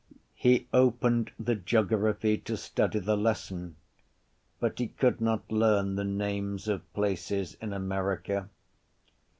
He opened the geography to study the lesson; but he could not learn the names of places in America.